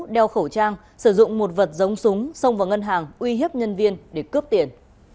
đeo khẩu trang sử dụng một vật giống súng xông vào ngân hàng uy hiếp nhân viên để cướp tiền